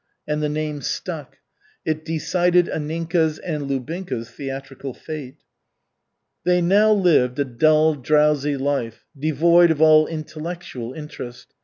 And the name stuck. It decided Anninka's and Lubinka's theatrical fate. They now lived a dull, drowsy life, devoid of all intellectual interest.